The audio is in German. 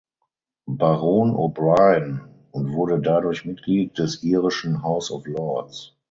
Baron O’Brien und wurde dadurch Mitglied des irischen House of Lords.